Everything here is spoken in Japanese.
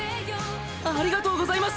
ありがとうございます！